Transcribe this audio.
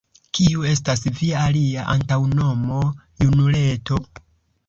kiu estas via alia antaŭnomo, junuleto?